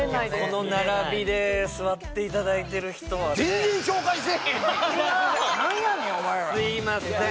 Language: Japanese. この並びで座っていただいてる人は何やねんお前らすいません